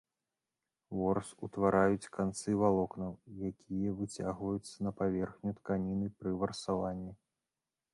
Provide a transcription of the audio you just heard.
Ворс утвараюць канцы валокнаў, якія выцягваюцца на паверхню тканіны пры варсаванні.